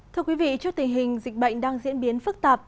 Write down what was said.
thưa quý vị trước tình hình dịch bệnh đang diễn biến phức tạp